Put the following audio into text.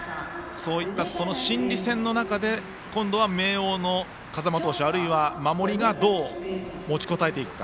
そういった心理戦の中で今度は明桜の風間投手あるいは、守りがどう持ちこたえていくか。